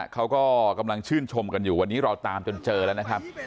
เขาก็กำลังชื่นชมกันอยู่วันนี้เราตามจนเจอแล้วนะครับ